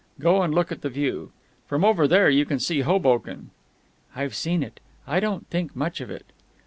Go and look at the view. From over there you can see Hoboken." "I've seen it. I don't think much of it."